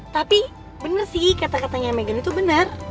tapi bener sih kata katanya megan itu bener